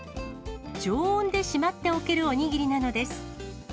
常温でしまっておけるお握りなのです。